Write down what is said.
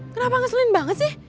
kenapa ngeselin banget sih